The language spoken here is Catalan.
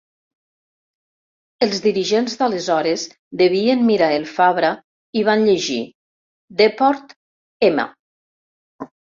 Els dirigents d'aleshores devien mirar el Fabra i hi van llegir: “deport m.